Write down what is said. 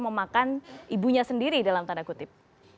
memakan ibunya sendiri dalam tanda kutip